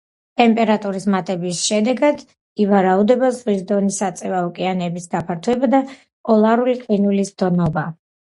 ტემპერატურის მატების შედეგად ივარაუდება ზღვის დონის აწევა, ოკეანეების გაფართოება და პოლარული ყინულის დნობა.